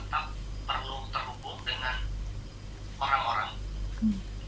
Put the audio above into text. tetap perlu terhubung dengan orang orang